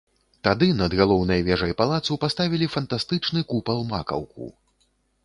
Тады над галоўнай вежай палацу паставілі фантастычны купал-макаўку.